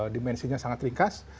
dimensinya sangat ringkas